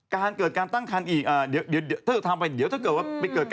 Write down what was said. ถ้าเกิดการตั้งคันอีก